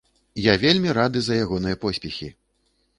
Я вельмі рады за ягоныя поспехі!